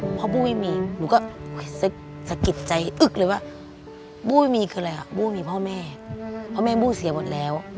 อึกเลยว่าบู้ไม่มีคืออะไรอะบู้มีพ่อแม่เพราะแม่บู้เสียหมดแล้ว